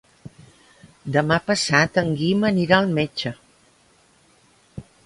Demà passat en Guim anirà al metge.